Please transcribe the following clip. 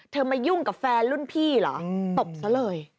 มายุ่งกับแฟนรุ่นพี่เหรอตบซะเลย